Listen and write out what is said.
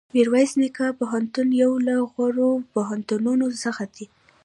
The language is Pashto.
میرویس نیکه پوهنتون یو له غوره پوهنتونونو څخه دی.